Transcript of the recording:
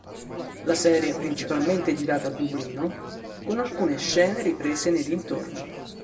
La serie è principalmente girata a Dublino, con alcune scene riprese nei dintorni.